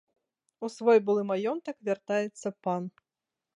У свой былы маёнтак вяртаецца пан.